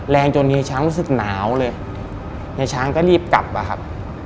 แรงจนเฮียช้างรู้สึกหนาวเลยเฮียช้างก็รีบกลับอะครับ